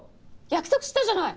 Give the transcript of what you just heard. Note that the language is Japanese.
約束したじゃない！